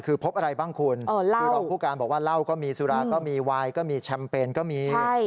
คือพบอะไรบ้างคุณคือรองผู้การบอกว่าเหล้าก็มีสุราก็มีวายก็มีแชมเปญก็มี